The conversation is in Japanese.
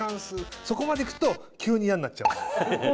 そこまで行くと急に嫌になっちゃうの。